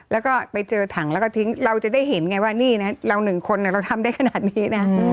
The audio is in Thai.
แล้วก็ไปเจอถังแล้วก็ทิ้งเราจะได้เห็นไงว่านี่นะเราหนึ่งคนเราทำได้ขนาดนี้นะ